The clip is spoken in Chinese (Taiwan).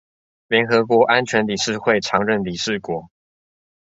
聯合國安全理事會常任理事國